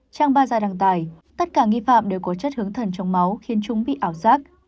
trang ba da đăng tải tất cả nghi phạm đều có chất hướng thần trong máu khiến chúng bị ảo giác